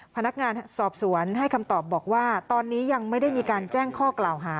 พนักงานสอบสวนให้คำตอบบอกว่าตอนนี้ยังไม่ได้มีการแจ้งข้อกล่าวหา